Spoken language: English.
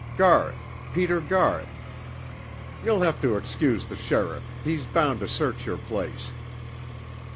Garth, Peter Garth. You'll have to excuse the sheriff; he's bound to search your place."